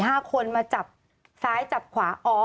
คน๔๕คนมาจับซ้ายจับขวา